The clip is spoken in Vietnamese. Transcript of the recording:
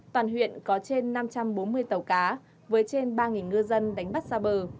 toàn huyện có trên năm trăm bốn mươi tàu cá với trên ba ngư dân đánh bắt xa bờ